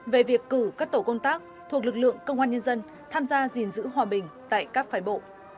về việc cử các tổ công tác thuộc lực lượng công an nhân dân tham gia gìn giữ hòa bình tại các phái bộ